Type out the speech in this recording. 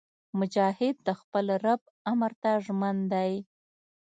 مجاهد د خپل رب امر ته ژمن دی.